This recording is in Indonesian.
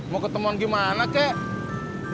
mau ketemuan gimana kek